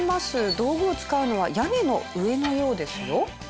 道具を使うのは屋根の上のようですよ。